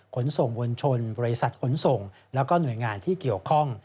ขนส่งมวลชนบริษัทขนส่งแล้วก็หน่วยงานที่เกี่ยวข้อง